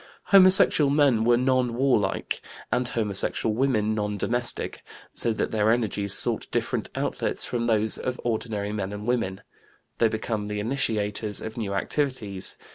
Homosexual men were non warlike and homosexual women non domestic, so that their energies sought different outlets from those of ordinary men and women; they became the initiators of new activities.